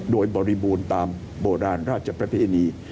โดยบริบูรณ์ตามโบราณราชประเพณี